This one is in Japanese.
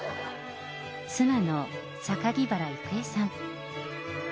妻の榊原郁恵さん。